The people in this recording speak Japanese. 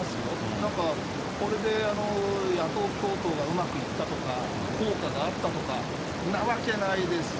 なんか、これで野党共闘がうまくいったとか、効果があったとか、んなわけないですよ。